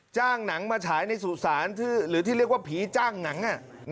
จ้างหนังมาฉายในสู่สารหรือที่เรียกว่าผีจ้างหนัง